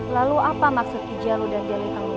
lalu apa maksud hija lu dan jali tanggung ikutnya